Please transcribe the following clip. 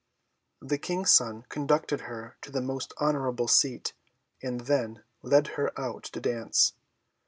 The King's son conducted her to the most honourable seat, and then led her out to dance.